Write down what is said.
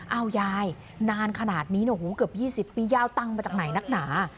เอายายนานขนาดนี้เกือบ๒๐ปียาวตังค์มาจากไหนนักหนา